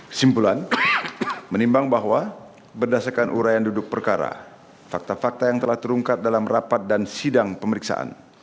kesimpulan menimbang bahwa berdasarkan urayan duduk perkara fakta fakta yang telah terungkap dalam rapat dan sidang pemeriksaan